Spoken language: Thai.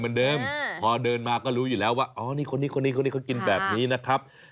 เหมือนเดิมพอเดินมาก็รู้อยู่แล้วว่าอ๋อนี่คนนี้คนนี้คนนี้เขากินแบบนี้นะครับ